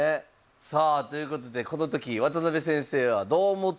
さあということでこの時渡辺先生はどう思ってたのか。